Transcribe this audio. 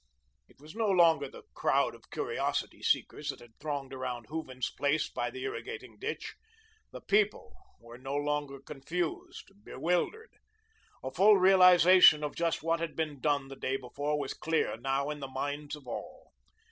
It was no longer the crowd of curiosity seekers that had thronged around Hooven's place by the irrigating ditch; the People were no longer confused, bewildered. A full realisation of just what had been done the day before was clear now in the minds of all.